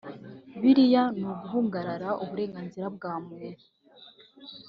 Biriya ni uguhangara uburengazira bwa muntu